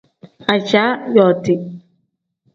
Ajaa yooti.